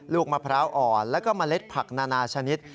ลูกมะพร้าวอ่อนแล้วก็เมล็ดผักนานาชนิด